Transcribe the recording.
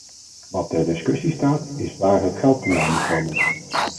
Wat ter discussie staat, is waar het geld vandaan moet komen.